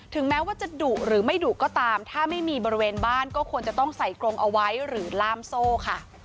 แม้ว่าจะดุหรือไม่ดุก็ตามถ้าไม่มีบริเวณบ้านก็ควรจะต้องใส่กรงเอาไว้หรือล่ามโซ่ค่ะ